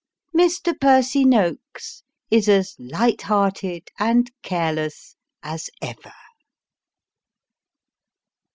Mr. Percy Noakes is as light hearted and careless as ever.